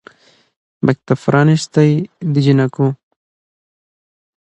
مکتب پرانیستی د جینکیو